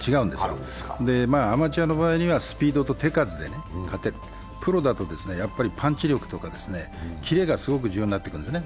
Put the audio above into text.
アマチュアの場合にはスピードと手数で勝てる、プロだとパンチ力とかキレがすごく重要になってくるんですね。